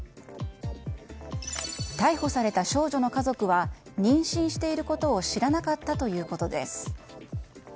逮捕された少女の家族は妊娠していることを知らなかったということです。